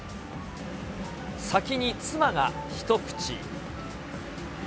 先に妻が一口。